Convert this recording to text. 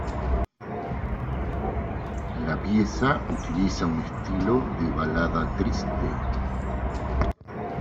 La pieza utiliza un estilo de balada triste.